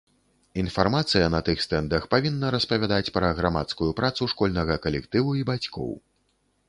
Інфармацыя на тых стэндах павінна распавядаць пра грамадскую працу школьнага калектыву і бацькоў.